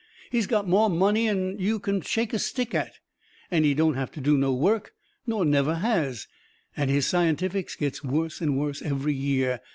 He's got more money'n you can shake a stick at, and he don't have to do no work, nor never has, and his scientifics gets worse and worse every year.